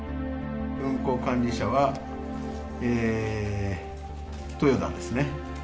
運航管理者は、豊田ですね。